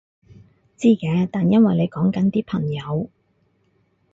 知嘅，但因為你講緊啲朋友